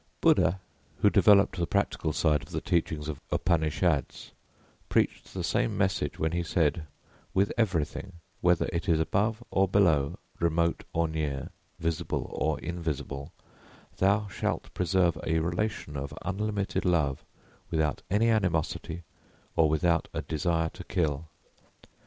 Buddha who developed the practical side of the teaching of Upanishads, preached the same message when he said, _With everything, whether it is above or below, remote or near, visible or invisible, thou shalt preserve a relation of unlimited love without any animosity or without a desire to kill.